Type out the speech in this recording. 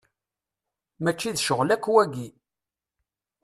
Mačči d ccɣel akk wagi.